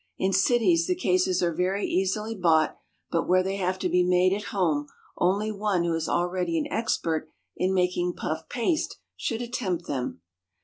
In cities the cases are very easily bought, but where they have to be made at home, only one who is already an expert in making puff paste should attempt them.